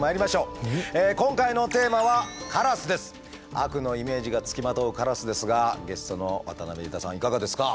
今回のテーマは悪のイメージが付きまとうカラスですがゲストの渡辺裕太さんいかがですか？